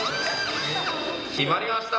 決まりました！